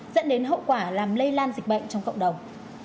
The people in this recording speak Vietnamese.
dẫn đến hậu quả làm lây lan dịch bệnh trong cộng đồng